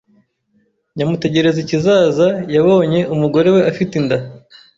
Nyamutegerikizaza yabonye umugore we afite inda,